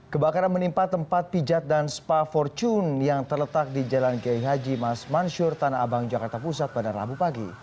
kebakaran menimpa tempat pijat dan spa fortune yang terletak di jalan kiai haji mas mansur tanah abang jakarta pusat pada rabu pagi